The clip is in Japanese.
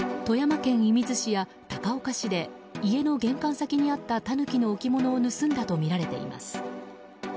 富山県射水市や高岡市で家の玄関先にあったタヌキの置物を盗んだとみられています。